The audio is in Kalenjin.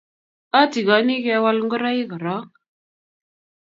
atikoni kewal ngoroik korok.